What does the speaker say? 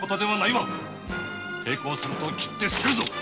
抵抗すると斬って捨てるぞ。